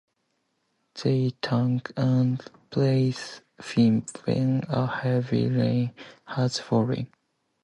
They thank and praise him when a heavy rain has fallen.